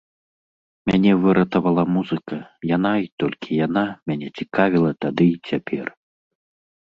Мяне выратавала музыка, яна і толькі яна мяне цікавіла тады і цяпер.